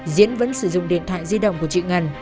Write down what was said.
diễn vẫn sử dụng điện thoại di động của chị ngân